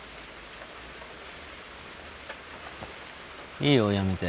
いいよ辞めて。